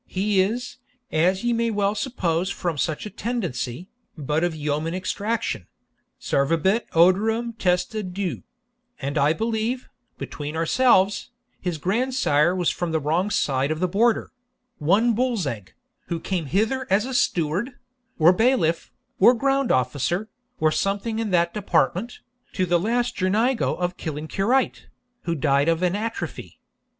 He is, as ye may well suppose from such a tendency, but of yeoman extraction servabit odorem testa diu and I believe, between ourselves, his grandsire was from the wrong side of the Border one Bullsegg, who came hither as a steward, or bailiff, or ground officer, or something in that department, to the last Girnigo of Killancureit, who died of an atrophy.